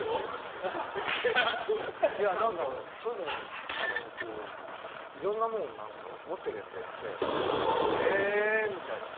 そういうのいろんなもの持ってるやつがいてへえみたいな。